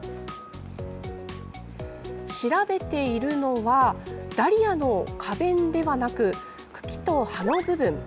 調べているのはダリアの花弁ではなく茎と葉の部分。